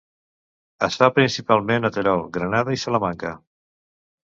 Es fa principalment a Terol, Granada i Salamanca.